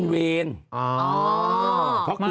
มันเป็นเวร